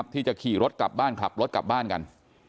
ที่จะขี่รถกลับบ้านขับรถกลับบ้านกัน